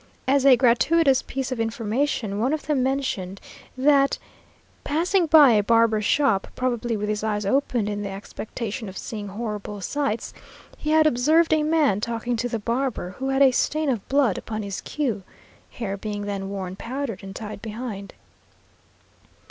As a gratuitous piece of information, one of them mentioned, that, passing by a barber's shop (probably with his eyes opened wide in the expectation of seeing horrible sights), he had observed a man talking to the barber, who had a stain of blood upon his queue (hair being then worn powdered and tied behind).